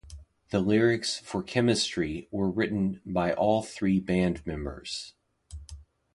The lyrics for "Chemistry" were written by all three band members.